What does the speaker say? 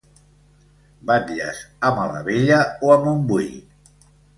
Batlles a Malavella o a Montbui.